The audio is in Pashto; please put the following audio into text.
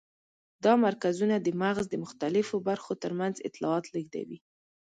دا مرکزونه د مغز د مختلفو برخو تر منځ اطلاعات لېږدوي.